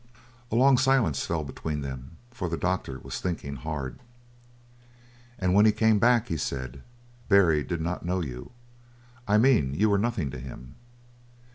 A long silence fell between them, for the doctor was thinking hard. "And when he came back," he said, "Barry did not know you? I mean you were nothing to him?"